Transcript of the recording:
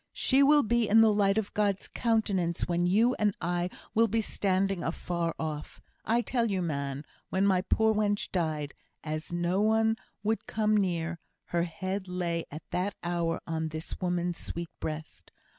She will be in the light of God's countenance when you and I will be standing afar off. I tell you, man, when my poor wench died, as no one would come near, her head lay at that hour on this woman's sweet breast.